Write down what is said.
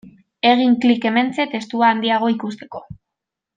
Egin klik hementxe testua handiago ikusteko.